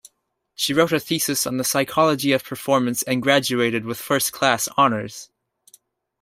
She wrote a thesis on the psychology of performance and graduated with first-class honors.